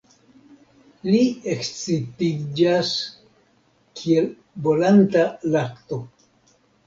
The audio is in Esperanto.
Li ekscitiĝas kiel bolanta lakto.